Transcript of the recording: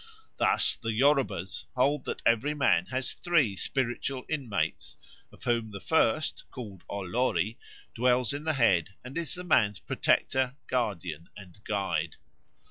Thus the Yorubas hold that every man has three spiritual inmates, of whom the first, called Olori, dwells in the head and is the man's protector, guardian, and guide.